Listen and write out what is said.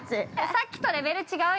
◆さっきとレベル違う？